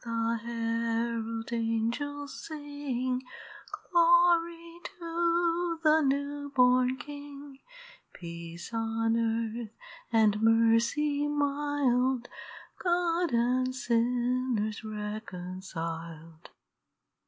the herald angels sing, Glory to the new born King; Peace on earth and mercy mild, God and sinners reconciled.